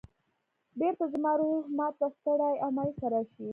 بېرته زما روح ما ته ستړی او مایوسه راشي.